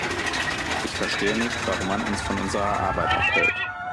Ich verstehe nicht, warum man uns von unserer Arbeit abhält.